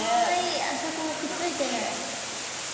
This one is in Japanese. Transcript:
あそこもくっついてる。